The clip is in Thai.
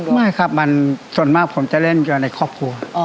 ไม่ครับมันส่วนมากผมจะเล่นอยู่ในครอบครัว